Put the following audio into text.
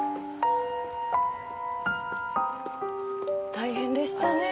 大変でしたね。